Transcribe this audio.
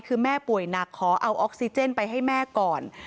คือแม่ป่วยหนักขอเอาออกซิเจนไปให้แม่ก่อน